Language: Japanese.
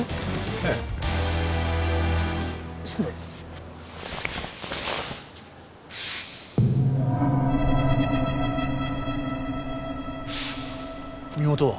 ええ失礼身元は？